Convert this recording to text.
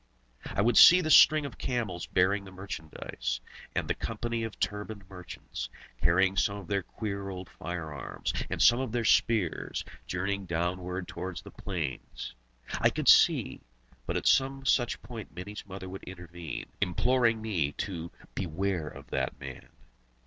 I could see the string of camels bearing the merchandise, and the company of turbaned merchants, carrying some of their queer old firearms, and some of their spears, journeying downward towards the plains. I could see but at some such point Mini's mother would intervene, imploring me to "beware of that man."